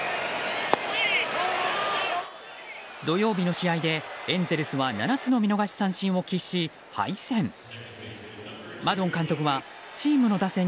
土曜日の試合で、エンゼルスは７つの見逃し三振を喫し敗戦。